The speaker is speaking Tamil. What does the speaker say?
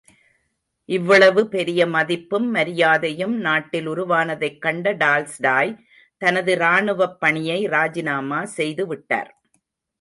இவ்வளவு பெரிய மதிப்பும், மரியாதையும் நாட்டில் உருவானதைக் கண்ட டால்ஸ்டாய், தனது ராணுவப் பணியை ராஜிநாமா செய்து விட்டார்.